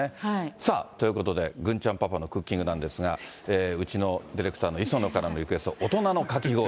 さあ、ということで、郡ちゃんパパのクッキングなんですが、うちのディレクターの磯野からのリクエスト、大人のかき氷。